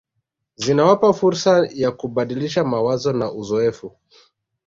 Zinawapa fursa ya kubadilishana mawazo na uzoefu